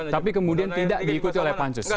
tapi kemudian tidak diikuti oleh pansus